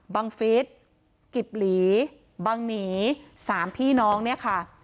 ฟิศกิบหลีบังหนี๓พี่น้องเนี่ยค่ะ